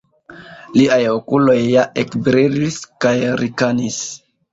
Liaj okuloj ja ekbrilis kaj rikanis.